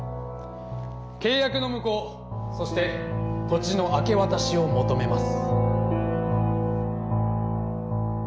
契約の無効そして土地の明け渡しを求めます。